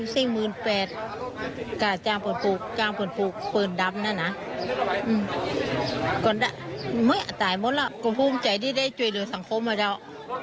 สังคมมาแล้ว